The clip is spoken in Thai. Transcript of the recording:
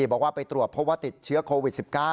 บอกว่าไปตรวจพบว่าติดเชื้อโควิด๑๙